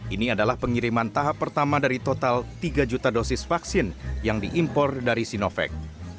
ini adalah pengiriman tahap pertama dari total tiga juta dosis vaksin yang diimpor dari sinovac